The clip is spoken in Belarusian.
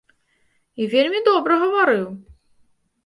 І вельмі добра гаварыў!